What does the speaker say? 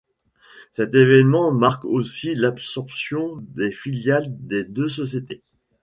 Cet événement marque aussi l'absorption des filiales des deux sociétés:.